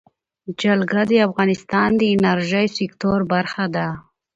جلګه د افغانستان د انرژۍ سکتور برخه ده.